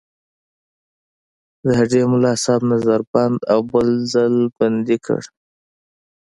د هډې ملاصاحب نظر بند او بل ځل بندي کړ.